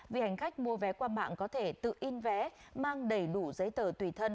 vì hành khách mua vé qua mạng có thể tự in vé mang đầy đủ giấy tờ tùy thân